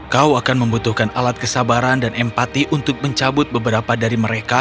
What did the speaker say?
kau akan membutuhkan alat kesabaran dan empati untuk mencabut beberapa dari mereka